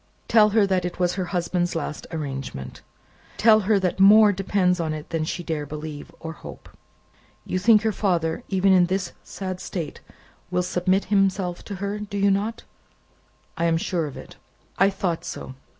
Tell her that it was her husband's last arrangement. Tell her that more depends upon it than she dare believe, or hope. You think that her father, even in this sad state, will submit himself to her; do you not?" "I am sure of it." "I thought so.